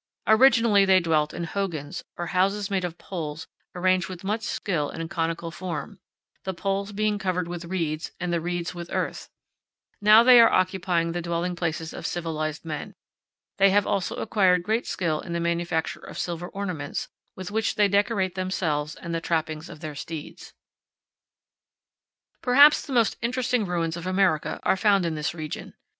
Originally they dwelt in hogans, or houses made of poles arranged with much skill in conical form, the poles being covered with reeds and the reeds with earth; now they are copying the dwelling places of civilized men. They have also acquired great skill in the manufacture of silver ornaments, with which they decorate themselves and the trappings of their steeds. Perhaps the most interesting ruins of America are found in this region.